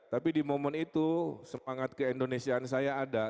tapi di momen itu semangat ke indonesiaan saya ada